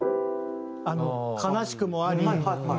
悲しくもあり。